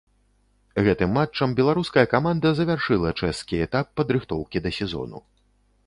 Гэтым матчам беларуская каманда завяршыла чэшскі этап падрыхтоўкі да сезону.